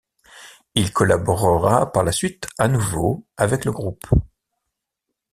Il collaborera par la suite à nouveau avec le groupe.